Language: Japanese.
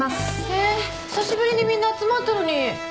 え久しぶりにみんな集まったのに。